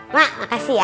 mak makasih ya